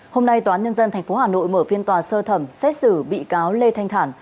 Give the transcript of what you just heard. hôm nay tòa án nhân dân tp hà nội mở phiên tòa sơ thẩm xét xử bị cáo lê thanh thản